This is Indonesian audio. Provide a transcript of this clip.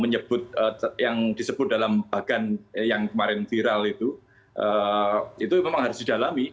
menyebut yang disebut dalam bagan yang kemarin viral itu itu memang harus didalami